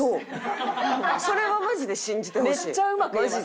それはマジで信じてほしい。